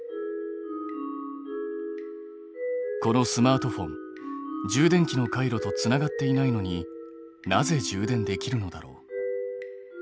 このスマートフォン充電器の回路とつながっていないのになぜ充電できるのだろう？